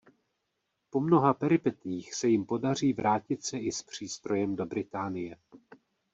Po mnoha peripetiích se jim podaří vrátit se i s přístrojem do Británie.